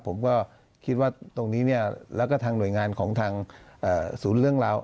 ผมก็คิดว่าตรงนี้เนี่ยแล้วก็ทางหน่วยงานของทางศูนย์เรื่องราว